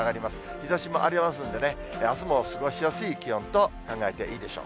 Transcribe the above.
日ざしもありますんでね、あすも過ごしやすい気温と考えていいでしょう。